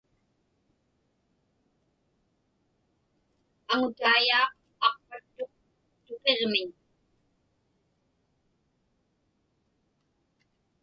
Aŋutaiyaaq aqpattuq tupiġmiñ.